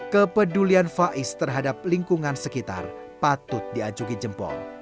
kepedulian faiz terhadap lingkungan sekitar patut diajungi jempol